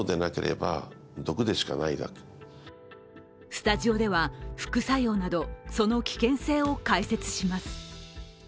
スタジオでは、副作用などその危険性を解説します。